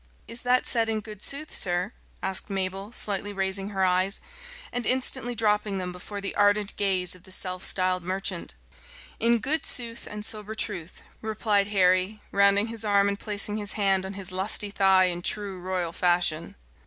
"Is that said in good sooth, sir?" asked Mabel, slightly raising her eyes, and instantly dropping them before the ardent gaze of the self styled merchant. "In good sooth and sober truth," replied Henry, rounding his arm and placing his hand on his lusty thigh in true royal fashion.